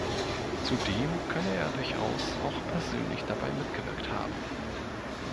Zudem könne er durchaus auch persönlich dabei mitgewirkt haben.